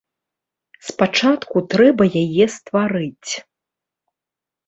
Спачатку трэба яе стварыць.